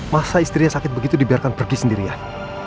masa istrinya sakit begitu dibiarkan pergi sendirian